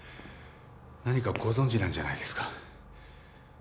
何かご存じなんじゃないですか？